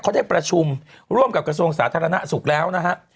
เขาได้ประชุมร่วมกับกระทรวงสาธารณสุขแล้วนะฮะ